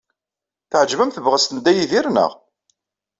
Teɛjeb-am tebɣest n Dda Yidir, naɣ?